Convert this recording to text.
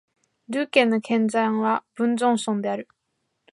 ドゥー県の県都はブザンソンである